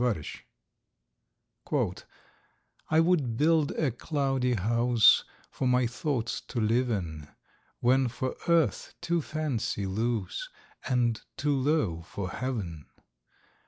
THE CASTLE IN THE AIR "I would build a cloudy house, For my thoughts to live in, When for earth too fancy loose, And too low for heaven!